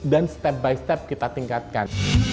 dan step by step kita tingkatkan